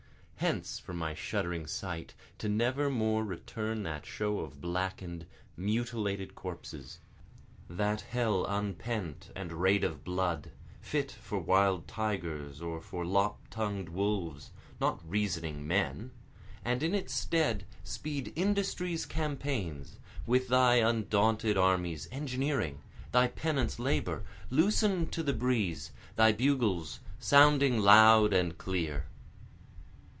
Hence from my shuddering sight to never more return that show of blacken'd, mutilated corpses! That hell unpent and raid of blood, fit for wild tigers or for lop tongued wolves, not reasoning men, And in its stead speed industry's campaigns, With thy undaunted armies, engineering, Thy pennants labor, loosen'd to the breeze, Thy bugles sounding loud and clear.